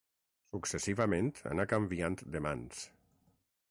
Successivament anà canviant de mans.